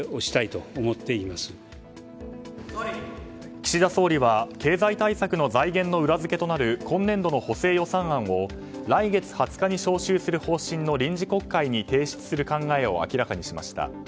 岸田総理は経済対策の財源の裏付けとなる今年度の補正予算案を来月２０日に召集する方針の臨時国会に提出する考えを明らかにしました。